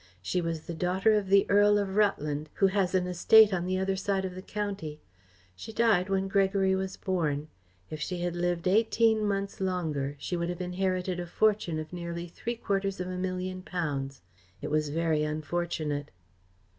She was the daughter of the Earl of Rutland, who has an estate on the other side of the county. She died when Gregory was born. If she had lived eighteen months longer, she would have inherited a fortune of nearly three quarters of a million pounds. It was very unfortunate."